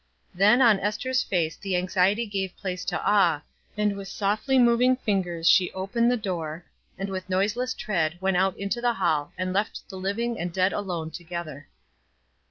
Then on Ester's face the anxiety gave place to awe, and with softly moving fingers she opened the door, and with noiseless tread went out into the hall and left the living and the dead alone together.